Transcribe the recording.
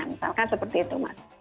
misalkan seperti itu mas